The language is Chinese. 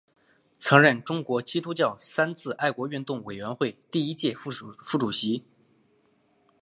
曾任中国基督教三自爱国运动委员会第一届副主席。